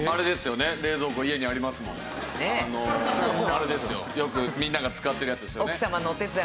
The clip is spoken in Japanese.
よくみんなが使ってるやつですよね。